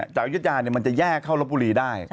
จากยุทยาเนี่ยมันจะแยกเข้ารถบุรีได้